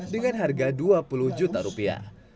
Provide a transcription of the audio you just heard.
dengan harga dua puluh juta rupiah